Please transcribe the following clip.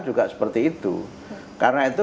juga seperti itu karena itu